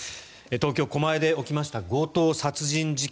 東京・狛江で起きた強盗殺人事件。